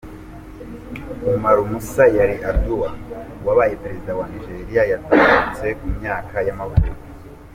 Umaru Musa Yar'Adua, wabaye perezida wa waNigeriya yaratabarutse, ku myaka y’amavuko.